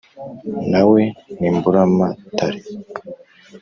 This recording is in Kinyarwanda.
na we ni mburamatare.